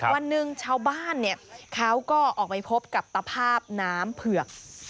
วันหนึ่งชาวบ้านเขาก็ออกไปพบกับตภาพน้ำเผือก